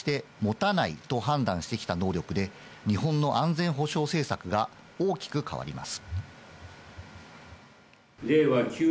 反撃能力は戦後政府が一貫して持たないと判断してきた能力で日本の安全保障政策が大きく変わります。